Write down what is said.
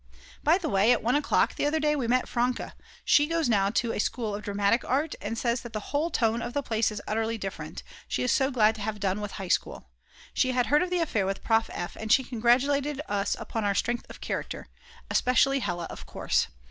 By the way, at 1 o'clock the other day we met Franke; she goes now to a school of dramatic art, and says that the whole tone of the place is utterly different, she is so glad to have done with the High School. She had heard of the affair with Prof. F. and she congratulated us upon our strength of character, especially Hella of course.